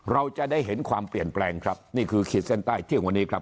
เราจะได้เห็นความเปลี่ยนแปลงครับนี่คือขีดเส้นใต้เที่ยงวันนี้ครับ